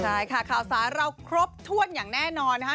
ใช่ค่ะข่าวสารเราครบถ้วนอย่างแน่นอนนะคะ